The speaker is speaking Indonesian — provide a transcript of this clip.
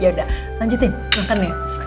yaudah lanjutin makan ya